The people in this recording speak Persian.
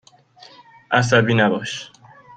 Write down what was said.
عصبی نباش.